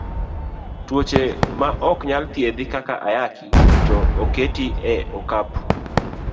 Tuoche ma ok nyal thiedhi kaka ayaki to oketi e okapu.